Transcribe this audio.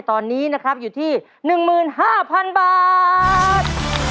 ตอนนี้นะครับอยู่ที่๑๕๐๐๐บาท